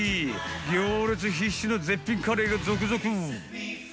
行列必至の絶品カレーが続々。